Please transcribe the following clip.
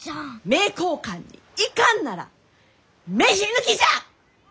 名教館に行かんなら飯抜きじゃ！